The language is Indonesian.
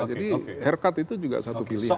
jadi haircut itu juga satu pilihan